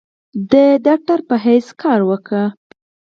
د ډاکټر پۀ حېث کار اوکړو ۔